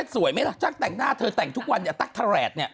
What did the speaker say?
สวยมั้ยล่ะช่างแต่งหน้าเธอแต่งทุกวันตั๊กทะแหลดเนี่ย